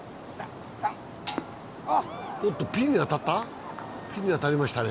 おっと、ピンに当たりましたね。